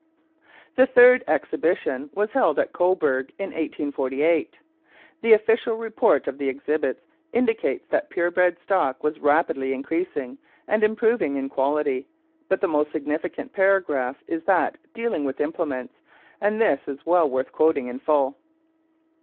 The third exhibition was held at Cobourg in 1848. The official report of the exhibits indicates that pure bred stock was rapidly increasing and improving in quality; but the most significant paragraph is that dealing with implements, and this is well worth quoting in full.